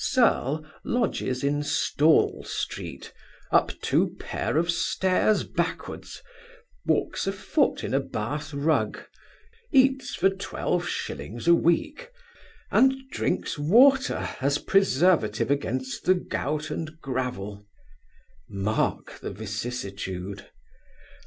Serle lodges in Stall street, up two pair of stairs backwards, walks a foot in a Bath rug, eats for twelve shillings a week, and drinks water as preservative against the gout and gravel Mark the vicissitude.